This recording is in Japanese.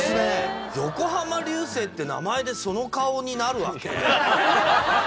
「横浜流星」って名前でその顔になるわけ？